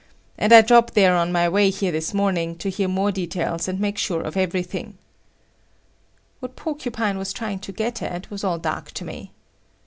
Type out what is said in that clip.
And I dropped there on my way here this morning to hear more details and make sure of everything." What Porcupine was trying to get at was all dark to me.